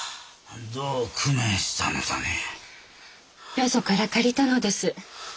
よそから借りたのです。